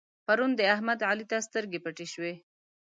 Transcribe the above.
پرون د احمد؛ علي ته سترګې پټې شوې.